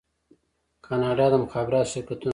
کاناډا د مخابراتو شرکتونه لري.